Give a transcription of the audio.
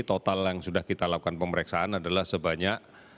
total yang sudah kita lakukan pemeriksaan adalah sebanyak